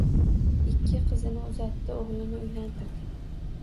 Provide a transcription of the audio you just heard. Ikki qizini uzatdi, o‘g‘lini uylantirdi